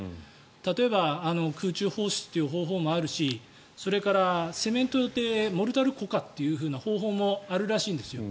例えば空中放出という方法もあるしそれから、セメントでモルタル固化という方法もあるらしいんですよ。